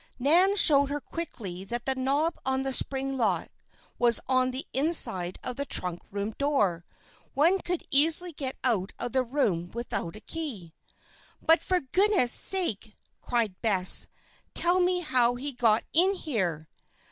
Nan showed her quickly that the knob of the spring lock was on the inside of the trunk room door. One could easily get out of the room without a key. "But for goodness' sake!" cried Bess. "Tell me how he got in here?"